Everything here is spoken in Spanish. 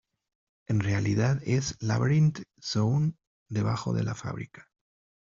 En realidad es Labyrinth Zone debajo de la fábrica.